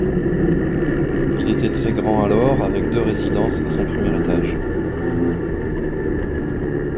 Il était très grand alors avec deux résidences à son premier étage.